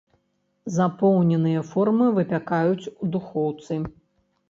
Запоўненыя формы выпякаюць у духоўцы.